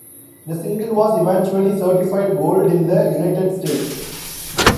The single was eventually certified gold in the United States.